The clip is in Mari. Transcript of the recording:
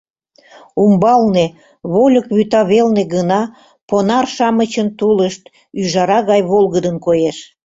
Умбалне, вольык вӱта велне гына, понар-шамычын тулышт ӱжара гай волгыдын коеш.